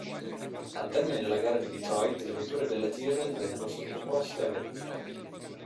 Al termine della gara di Detroit le vetture della Tyrrell vennero sottoposte a verifica.